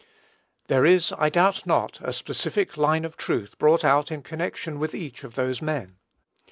There is, I doubt not, a specific line of truth brought out in connection with each of those men.